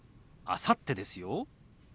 「あさって」ですよ。